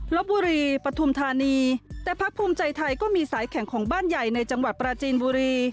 ลบบุรีปฐุมธานีแต่พักภูมิใจไทยก็มีสายแข่งของบ้านใหญ่ในจังหวัดปราจีนบุรี